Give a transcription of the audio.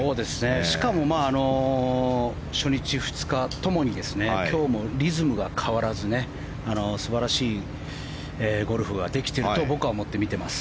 しかも初日、２日共に今日もリズムが変わらず素晴らしいゴルフができていると僕は思って見ています。